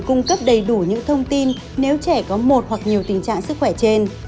cung cấp đầy đủ những thông tin nếu trẻ có một hoặc nhiều tình trạng sức khỏe trên